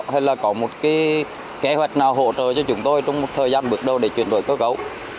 hay là có một cái kế hoạch nào hỗ trợ cho chúng tôi trong một thời gian bước đầu để chuyển đổi cơ cấu